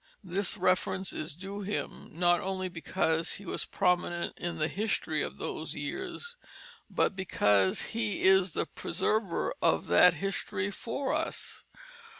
This reference is due him not only because he was prominent in the history of those years, but because he is the preserver of that history for us.